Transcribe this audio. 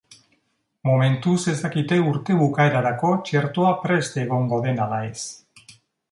Momentuz ez dakite urte bukaerarako txertoa prest egongo den ala ez.